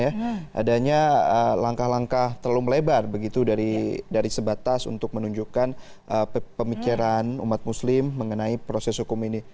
adanya langkah langkah terlalu melebar begitu dari sebatas untuk menunjukkan pemikiran umat muslim mengenai proses hukum ini